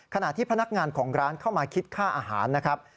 ขณะที่พนักงานของร้านเข้ามาคิดค่าอาหารนะครับ